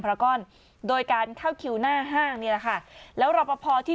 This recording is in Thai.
ราก้อนโดยการเข้าคิวหน้าห้างนี่แหละค่ะแล้วรอปภที่